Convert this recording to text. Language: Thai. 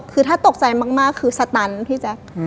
คือถ้าตกใจมากคือสตันพี่แจ๊ค